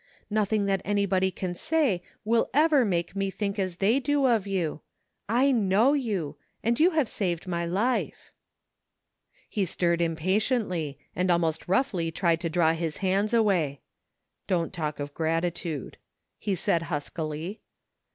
Nothing that anybody can say will ever make me think as they do 90 TBDE FINDING OF JASPER HOLT of you. I know you — and you have saved my life." He stirred impatiently, and almost roughly tried to draw his hands away. Don't talk of gratitude/' he said huskily.